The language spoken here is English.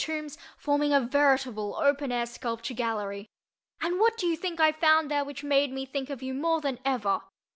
tombs forming a veritable open air sculpture gallery. And what do you think I found there which made me think of you more than ever?